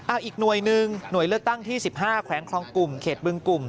อีกหน่วยหนึ่งหน่วยเลือกตั้งที่๑๕แขวงคลองกลุ่มเขตบึงกลุ่ม